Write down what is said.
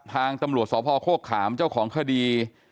ทางตำรวจสวทธิ์ภอคโฆษฐรมเจ้าของคดี